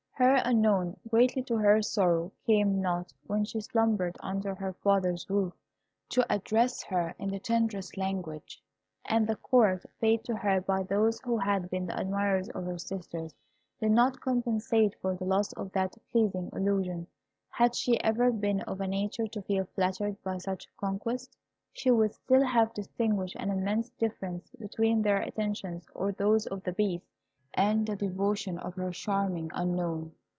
Her Unknown (greatly to her sorrow) came not, when she slumbered under her father's roof, to address her in the tenderest language; and the court paid to her by those who had been the admirers of her sisters, did not compensate for the loss of that pleasing illusion. Had she even been of a nature to feel flattered by such conquests, she would still have distinguished an immense difference between their attentions, or those of the Beast, and the devotion of her charming Unknown.